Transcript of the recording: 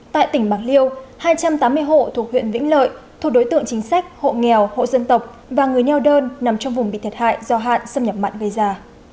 tại tỉnh bạc liêu hai trăm tám mươi hộ thuộc huyện vĩnh lợi thuộc đối tượng chính sách hộ nghèo hộ dân tộc và người nheo đơn nằm trong vùng bị thiệt hại do hạn xâm nhập mặn gây ra